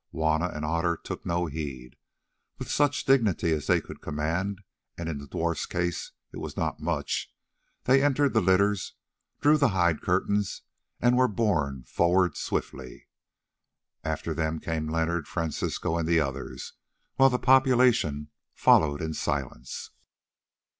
Juanna and Otter took no heed. With such dignity as they could command, and in the dwarf's case it was not much, they entered the litters, drew the hide curtains, and were borne forward swiftly. After them came Leonard, Francisco, and the others, while the population followed in silence.